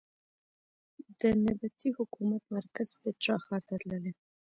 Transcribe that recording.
د نبطي حکومت مرکز پېټرا ښار ته تللې.